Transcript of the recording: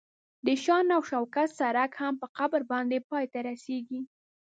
د شان او شوکت سړک هم په قبر باندې پای ته رسیږي.